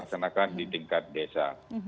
dilaksanakan di tingkat desa